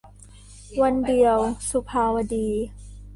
วันเดียว - สุภาวดี